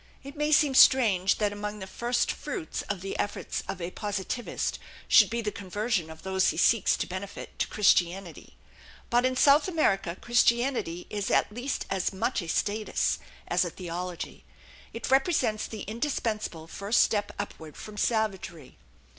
It may seem strange that among the first fruits of the efforts of a Positivist should be the conversion of those he seeks to benefit to Christianity. But in South America Christianity is at least as much a status as a theology. It represents the indispensable first step upward from savagery.